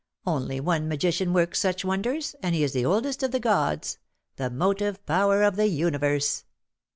Only one magician works such wonders^ and he is the oldest of the gods — the motive power of the universe.''